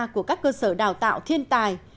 của các cơ sở đào tạo thiên tài